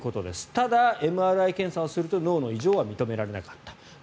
ただ、ＭＲＩ検査をすると脳の異常は認められなかった。